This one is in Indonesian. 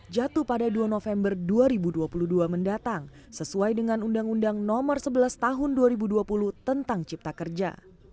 jatuh pada dua november dua ribu dua puluh dua mendatang sesuai dengan undang undang nomor sebelas tahun dua ribu dua puluh tentang cipta kerja